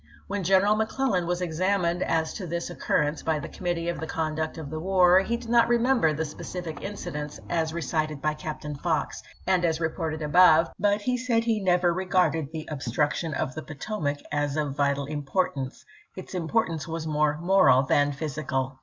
When General McClellan was examined as to this occur rence by the Committee on the Conduct of the McClellan, War, hc did not remember the specific incidents as Testimony, ^'^ ?he ctom rccitcd by Captain Fox, and as reported above, but ™he*cfon° Said hc ucvcr regarded the obstruction of the Po ^^^wa"^*^ tomac as of vital importance ; its importance was pp. 421, 422. more moral than physical.